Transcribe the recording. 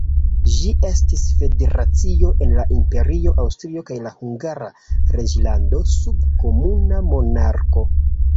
Ĝi estis federacio el la imperio Aŭstrio kaj la Hungara reĝlando sub komuna monarko.